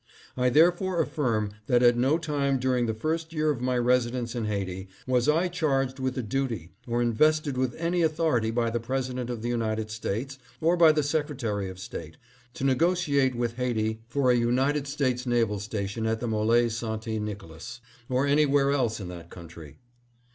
I therefore affirm that at no time during the first year of my residence in Haiti was I charged with the duty or invested with any authority by the President of the United States, or by the Sec retary of State, to negotiate with Haiti for a United States naval station at the Mole St. Nicolas, or any where else in that country.